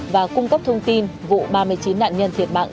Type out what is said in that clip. và cung cấp thông tin vụ ba mươi chín nạn nhân thiệt mạng